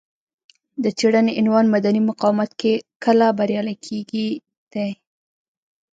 د څېړنې عنوان مدني مقاومت کله بریالی کیږي دی.